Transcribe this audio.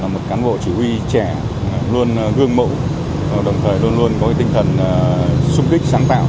một cán bộ chỉ huy trẻ luôn gương mộ đồng thời luôn luôn có tinh thần xúc kích sáng tạo